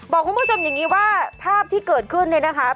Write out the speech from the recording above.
บอกคุณผู้ชมอย่างนี้ว่าภาพที่เกิดขึ้นเนี่ยนะคะ